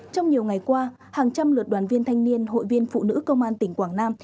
trong nhiều ngày qua hàng trăm lượt đoàn viên thanh niên hội viên phụ nữ công an tỉnh quảng nam